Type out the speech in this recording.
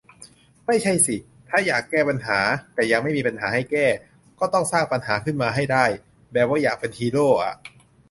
ไม่ใช่สิ ถ้าอยากแก้ปัญหา แต่ยังไม่มีปัญหาให้แก้ ก็ต้องสร้างปัญหาขึ้นมาให้ได้ แบบว่าอยากเป็นฮีโร่อ่ะ